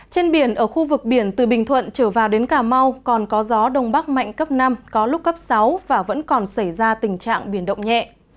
trên biển ở khu vực biển từ bình thuận trở vào đến cà mau còn có gió đông bắc mạnh cấp năm có lúc cấp sáu và vẫn còn xảy ra tình trạng biển động nhẹ